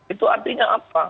itu artinya apa